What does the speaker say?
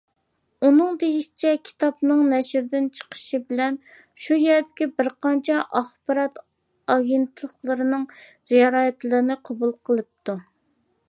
ئۇنىڭ دېيىشىچە، كىتابنىڭ نەشردىن چىقىشى بىلەن شۇ يەردىكى بىر قانچە ئاخبارات ئاگېنتلىقلىرىنىڭ زىيارەتلىرىنى قوبۇل قىلىپتۇ.